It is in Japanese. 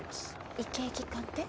医系技官って？